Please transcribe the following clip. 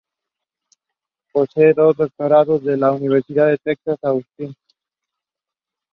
Posee un doctorado de la Universidad de Texas, Austin.